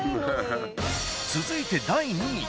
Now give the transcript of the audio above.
続いて第２位。